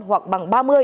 hoặc bằng ba